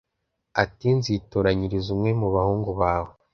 ati Nzitoranyiriza umwe mu bahungu bawe